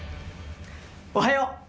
おはよう！